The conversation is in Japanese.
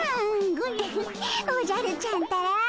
ウフッおじゃるちゃんったら。